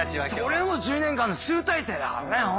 そりゃもう１２年間の集大成だからねうん。